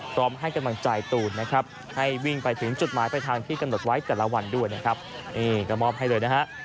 พร้อมให้กำลังใจตูนนะครับให้วิ่งไปถึงจุดหมายไปทางที่กำหนดไว้แต่ละวันด้วยนะครับนี่ก็มอบให้เลยนะฮะ